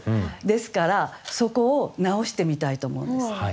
ですからそこを直してみたいと思うんです。